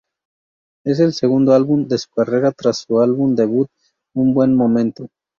Es el segundo álbum de su carrera, tras su álbum debut "Un buen momento".